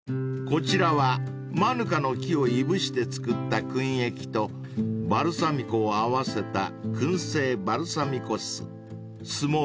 ［こちらはマヌカの木をいぶして作ったくん液とバルサミコを合わせた薫製バルサミコ酢］